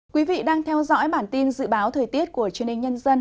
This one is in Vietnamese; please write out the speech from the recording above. quý vị đang theo dõi bản tin dự báo thời tiết của truyền hình nhân dân